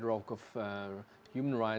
kawasan kebenaran manusia